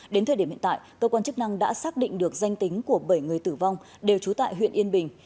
đến thời điểm hiện tại cơ quan chức năng đã xác định được danh tính của bảy người tử vong đều trú tại huyện yên bình